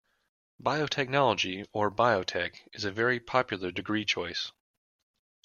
Biotechnology, or Biotech, is a very popular degree choice